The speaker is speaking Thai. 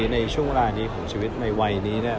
ในช่วงเวลานี้ของชีวิตในวัยนี้เนี่ย